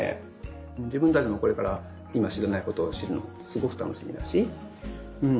自分たちもこれから今知らないことを知るのってすごく楽しみだしうん。